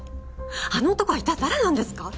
あの男は一体誰なんですか！？